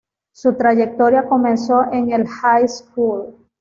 Su Trayectoria comenzó en el High School.